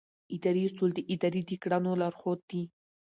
اداري اصول د ادارې د کړنو لارښود دي.